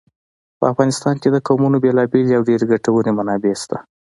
په افغانستان کې د قومونه بېلابېلې او ډېرې ګټورې منابع شته.